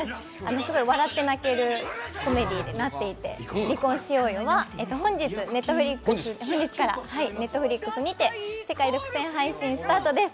すごい笑って泣けるコメディーになっていまして「離婚しようよ」は本日、Ｎｅｔｆｌｉｘにて世界独占配信スタートです。